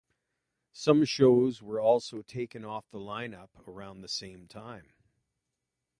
Some shows were also taken off the lineup around the same time.